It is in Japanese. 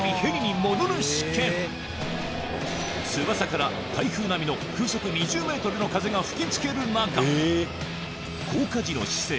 翼から台風並みの風速２０メートルの風が吹き付ける中降下時の姿勢